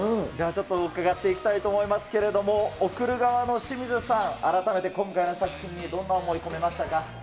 では、ちょっと伺っていきたいと思いますけれども、送る側の清水さん、改めて今回の作品にどんな思い込めましたか？